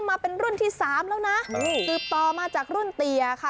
มาเป็นรุ่นที่สามแล้วนะสืบต่อมาจากรุ่นเตียค่ะ